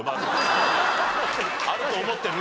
あると思ってるんなら。